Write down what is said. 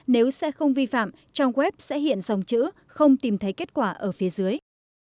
nếu xe không vi phạm trong web sẽ hiện dòng chữ không tìm thấy kết quả ở phía dưới